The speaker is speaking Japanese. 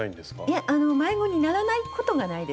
いえ迷子にならないことがないです。